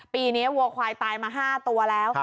ปีนี้วัวควายตายมา๕ตัวแล้ว